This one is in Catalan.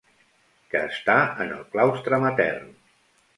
Que està en el claustre matern.